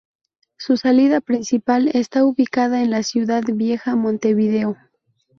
Su salida principal está ubicada en la Ciudad Vieja, Montevideo.